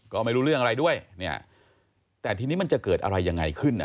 ก็ไม่รู้เรื่องอะไรด้วยเนี่ยแต่ทีนี้มันจะเกิดอะไรยังไงขึ้นอ่ะ